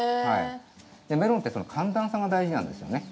メロンって寒暖差が大事なんですよね。